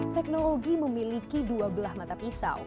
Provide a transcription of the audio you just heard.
teknologi memiliki dua belah mata pisau